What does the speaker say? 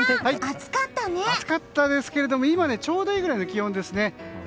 暑かったですけれども今はちょうどいいくらいの気温ですね。